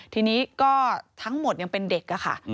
ทีนี้ก็ทั้งหมดยังเป็นเด็กค่ะ